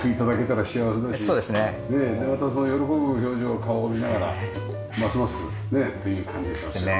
でまたその喜ぶ表情顔を見ながらますますねという感じがしますね。